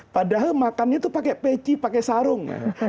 padahal makannya itu pakai peci pakai sarung